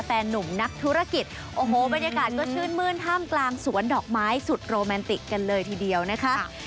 หนุ่มนักธุรกิจโอ้โหบรรยากาศก็ชื่นมื้นท่ามกลางสวนดอกไม้สุดโรแมนติกกันเลยทีเดียวนะคะ